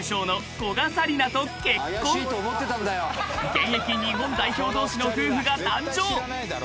［現役日本代表同士の夫婦が誕生］